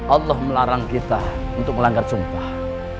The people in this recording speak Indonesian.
allah melarang kita untuk melanggar sumpah